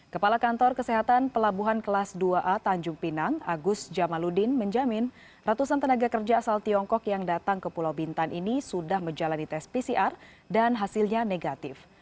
kepala kantor kesehatan pelabuhan kelas dua a tanjung pinang agus jamaludin menjamin ratusan tenaga kerja asal tiongkok yang datang ke pulau bintan ini sudah menjalani tes pcr dan hasilnya negatif